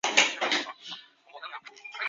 因加泽拉是巴西伯南布哥州的一个市镇。